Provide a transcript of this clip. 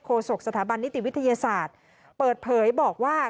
ศกสถาบันนิติวิทยาศาสตร์เปิดเผยบอกว่า